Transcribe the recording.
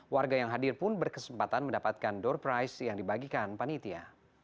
warga yang hadir pun berkesempatan mendapatkan door price yang dibagikan panitia